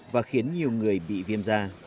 và khiến nhiều người bị viêm ra